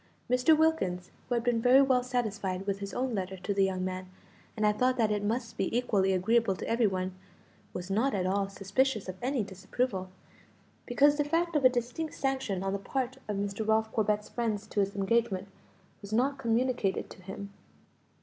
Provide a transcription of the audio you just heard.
Mr. Wilkins, who had been very well satisfied with his own letter to the young man, and had thought that it must be equally agreeable to every one, was not at all suspicious of any disapproval, because the fact of a distinct sanction on the part of Mr. Ralph Corbet's friends to his engagement was not communicated to him.